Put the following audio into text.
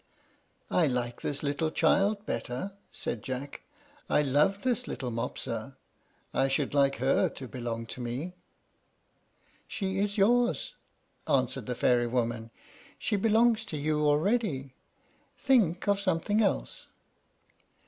"I like this little child better," said Jack; "I love this little Mopsa. I should like her to belong to me." "She is yours," answered the fairy woman; "she belongs to you already. Think of something else."